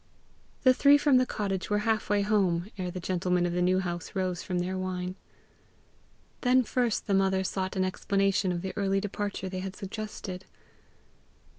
The three from the cottage were half way home ere the gentlemen of the New House rose from their wine. Then first the mother sought an explanation of the early departure they had suggested.